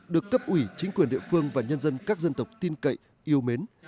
được cấp ủy chính quyền địa phương và nhân dân các dân tộc tin cậy yêu mến